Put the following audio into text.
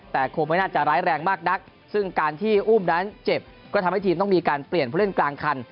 แต่คงไม่น่าจะร้ายแรงมากนักซึ่งการที่อุ้มนั้นเจ็บก็ทำให้ทีมต้องมีการเปลี่ยนผู้เล่นกลางคัน